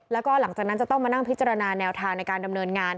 แล้วก็หลังจากนั้นจะต้องมานั่งพิจารณาแนวทางในการดำเนินงาน